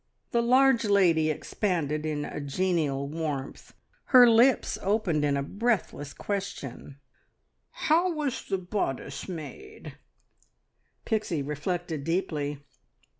The large lady expanded in a genial warmth. Her lips opened in a breathless question "How was the bodice made?" Pixie reflected deeply.